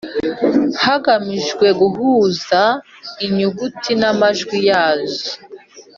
hagamijwe guhuza inyuguti n’amajwi yazo ;